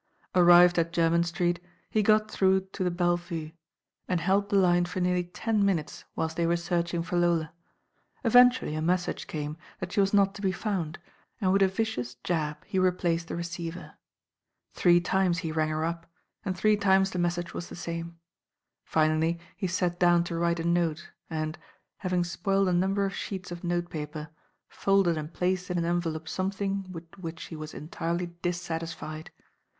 Arrived at Jermyn Street, he got through to the Belle Vue, and held the line for nearly ten minutes whilst they were searching for Lola. Eventually a message came that she was not to be found, and with a vicious jab he replaced the receiver. Three times he rang her up, and three times the message was the same. Finally he sat down to write a note and, having spoiled a number of sheets of note paper, folded and placed in an envelope something with which he was entirely dissatisfied.